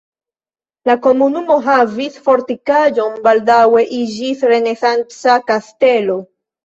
La komunumo havis fortikaĵon, baldaŭe iĝis renesanca kastelo.